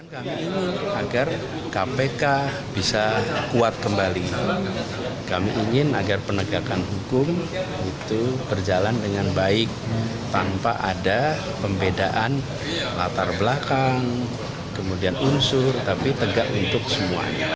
kami agar kpk bisa kuat kembali kami ingin agar penegakan hukum itu berjalan dengan baik tanpa ada pembedaan latar belakang kemudian unsur tapi tegak untuk semuanya